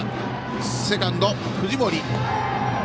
セカンド、藤森。